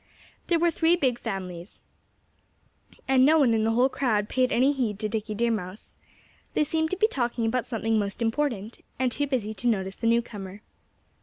There were three big families. And no one in the whole crowd paid any heed to Dickie Deer Mouse. They seemed to be talking about something most important, and too busy to notice the newcomer.